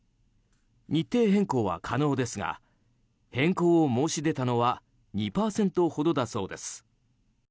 日程変更は可能ですが変更を申し出たのは２％ほどだそうです。